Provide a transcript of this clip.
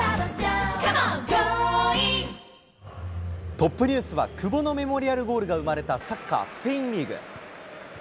トップニュースは、久保のメモリアルゴールが生まれたサッカー・スペインリーグ。